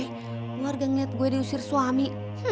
keluarga ngeliat gue diusir suami